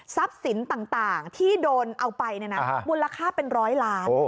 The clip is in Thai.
ทรัพย์สินต่างที่โดนเอาไปเนี่ยนะมูลค่าเป็นร้อยล้าน